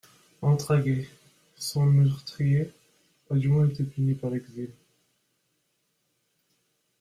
Entraguet, son meurtrier, a du moins été puni par l’exil…